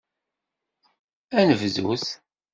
Ad nebdut!